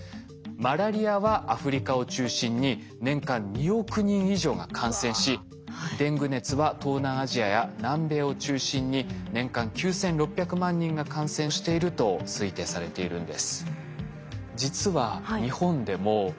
マラリアはアフリカを中心に年間２億人以上が感染しデング熱は東南アジアや南米を中心に年間９，６００万人が感染していると推定されているんです。